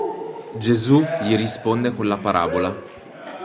Gesù gli risponde con la parabola.